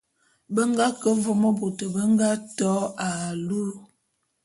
Be nga ke vôm bôt bé nga to alu.